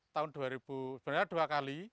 tahun dua ribu sebenarnya dua kali